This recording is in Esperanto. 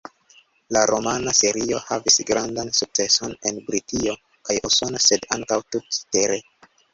La romana serio havis grandan sukceson en Britio kaj Usono sed ankaŭ tut-tere.